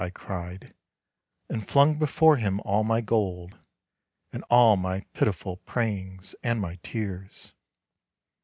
" I cried, and flung before him all my gold, And all my pitiful prayings, and my tears.